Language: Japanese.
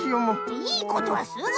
いいことはすぐやるの。